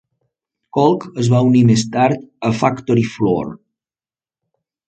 Colk es va unir més tard a Factory Floor.